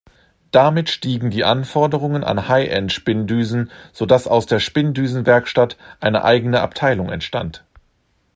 Damit stiegen die Anforderungen an High-End-Spinndüsen, sodass aus der Spinndüsen-Werkstatt eine eigene Abteilung entstand.